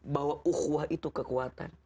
bahwa uhwah itu kekuatan